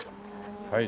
はい。